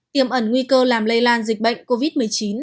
tiềm ẩn nguy cơ làm lây lan dịch bệnh covid một mươi chín